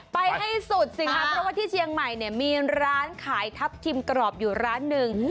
ไปให้สุดสิคะเพราะว่าที่เชียงใหม่เนี่ยมีร้านขายทัพทิมกรอบอยู่ร้านหนึ่ง